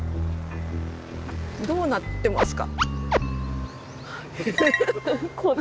どうなってますか？